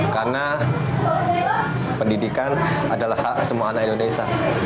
karena pendidikan adalah hak semua anak indonesia